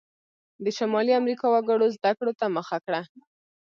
د شمالي امریکا وګړو زده کړو ته مخه کړه.